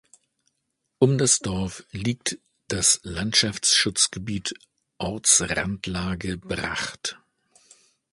Um das Dorf liegt das Landschaftsschutzgebiet Ortsrandlage Bracht.